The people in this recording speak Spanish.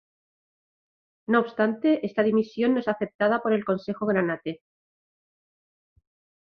No obstante esta dimisión no es aceptada por el Consejo granate.